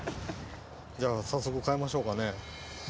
じゃあ、早速変えましょうかね。